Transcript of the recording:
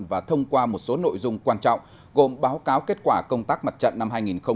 và thông qua một số nội dung quan trọng gồm báo cáo kết quả công tác mặt trận năm hai nghìn một mươi chín